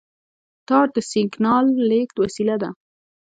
تار د سیګنال لېږد وسیله ده.